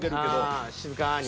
ああ静かに。